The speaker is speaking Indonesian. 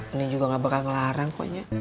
ini juga gak bakal ngelarang kok nya